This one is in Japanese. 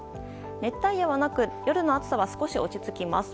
熱帯夜はなく夜の暑さは少し落ち着きます。